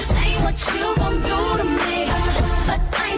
สุดท้าย